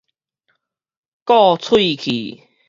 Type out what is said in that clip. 固喙器